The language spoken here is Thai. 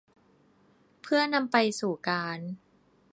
เพื่อนำไปสู่การ